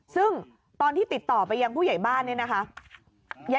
ซึ่งตอนที่ติดต่อไปยังผู้ใหญ่บ้านเนี่ยนะคะ